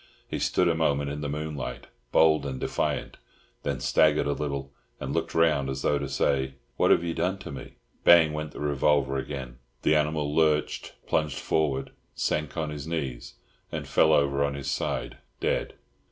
He stood a moment in the moonlight, bold and defiant, then staggered a little and looked round as though to say, "What have you done to me?" Bang went the revolver again; the animal lurched, plunged forward, sank on his knees, and fell over on his side, dead.